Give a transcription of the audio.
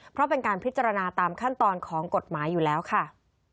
เพราะเป็นการพิจารณาตามขั้นตอนของกฎหมายอยู่แล้วค่ะ